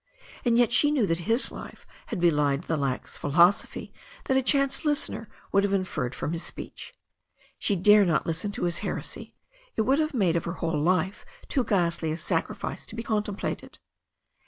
And yet she knew that his life had belied the lax philosophy that a chance listener would have inferred from his speech. She dare not listen to his heresy. It would have made of her whole life too ghastly a sacrifice to be contemplated.